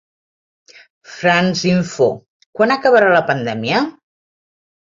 Franceinfo: Quan acabarà la pandèmia?